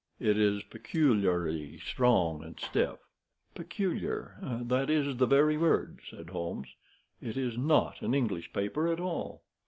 It is peculiarly strong and stiff." "Peculiar—that is the very word," said Holmes. "It is not an English paper at all.